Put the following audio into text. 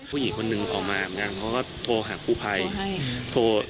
ผู้หญิงคนหนึ่งออกมาเหมือนกันเขาก็โทรหากู้ภัยโทร